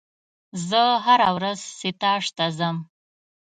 زه هره ورځ ستاژ ته ځم.